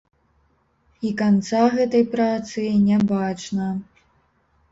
І канца гэтай працы не бачна.